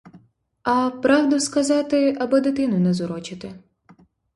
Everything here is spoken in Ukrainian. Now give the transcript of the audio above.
А, правду сказати — аби дитину не зурочити!